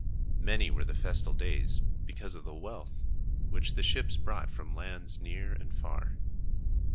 Many were the festal days, because of the wealth, which the ships brought from lands near and far.